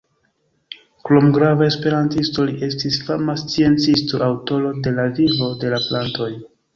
Krom grava esperantisto, li estis fama sciencisto, aŭtoro de "La Vivo de la Plantoj".